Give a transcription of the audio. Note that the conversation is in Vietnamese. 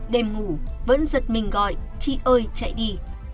đêm ngủ vẫn giật mình gọi chị ơi chạy đi